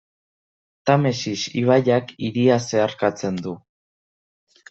Tamesis ibaiak hiria zeharkatzen du.